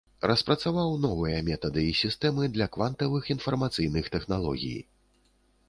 Распрацаваў новыя метады і сістэмы для квантавых інфармацыйных тэхналогій.